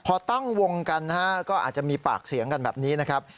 พอตั้งวงกันนะฮะก็อาจจะมีปากเสียงกันแบบนี้นะครับ